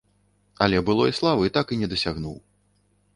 Але былой славы так і не дасягнуў.